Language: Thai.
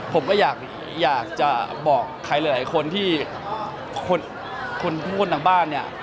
ผมก็อยากจะบอกใครหลายคนที่คนพูดทางบ้านเนี่ย